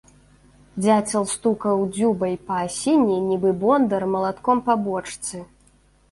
Дзяцел стукаў дзюбай па асіне, нібы бондар малатком па бочцы.